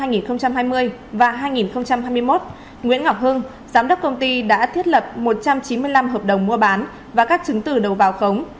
năm hai nghìn hai mươi và hai nghìn hai mươi một nguyễn ngọc hưng giám đốc công ty đã thiết lập một trăm chín mươi năm hợp đồng mua bán và các chứng tử đầu vào khống